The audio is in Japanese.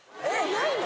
ないの？